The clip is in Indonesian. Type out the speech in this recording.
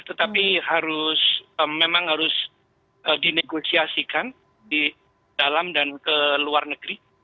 tetapi memang harus dinegosiasikan di dalam dan ke luar negeri